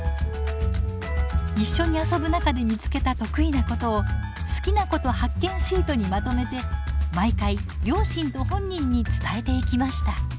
一緒に遊ぶ中で見つけた得意なことを「好きなこと発見シート」にまとめて毎回両親と本人に伝えていきました。